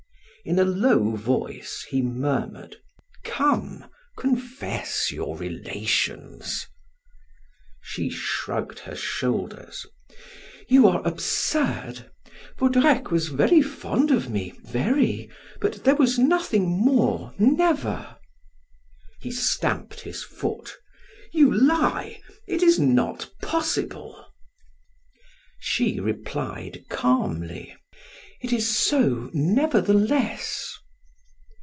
In a low voice he murmured: "Come, confess your relations." She shrugged her shoulders. "You are absurd. Vaudrec was very fond of me, very, but there was nothing more, never." He stamped his foot. "You lie! It is not possible." She replied calmly: "It is so, nevertheless."